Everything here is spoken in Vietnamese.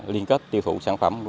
liên kết tiêu thụ sản phẩm